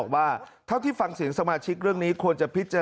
และสนับสนับสนุนนะครับ